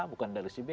bukan dari si b